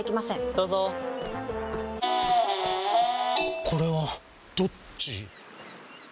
どうぞこれはどっち？